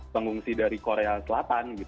pengungsi dari korea selatan